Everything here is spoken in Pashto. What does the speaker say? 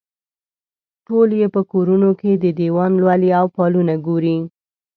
ټول یې په کورونو کې دیوان لولي او فالونه ګوري.